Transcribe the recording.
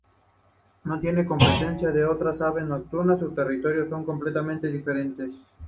No tiene competencia de otras aves nocturnas, sus territorios son completamente diferentes.